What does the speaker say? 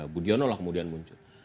budionola kemudian muncul